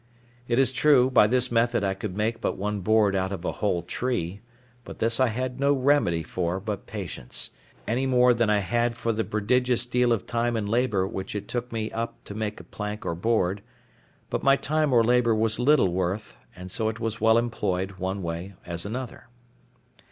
It is true, by this method I could make but one board out of a whole tree; but this I had no remedy for but patience, any more than I had for the prodigious deal of time and labour which it took me up to make a plank or board: but my time or labour was little worth, and so it was as well employed one way as another.